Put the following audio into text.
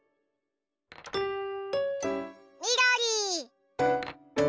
みどり！